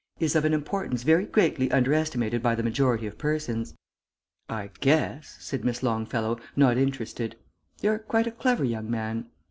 is of an importance very greatly underestimated by the majority of persons." "I guess," said Miss Longfellow, not interested, "you're quite a clever young man."